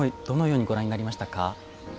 どのようにご覧になりましたか？